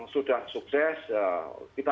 sudah sukses kita